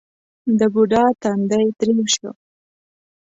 د بوډا تندی ترېو شو: